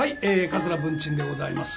桂文珍でございます。